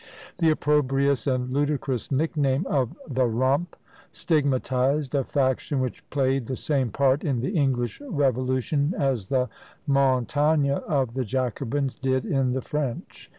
The opprobrious and ludicrous nickname of "the Rump," stigmatised a faction which played the same part in the English Revolution as the "Montagne" of the Jacobins did in the French.